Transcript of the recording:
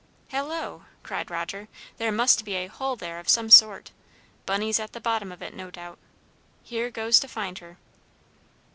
"Hallo!" cried Roger. "There must be a hole there of some sort. Bunny's at the bottom of it, no doubt. Here goes to find her!"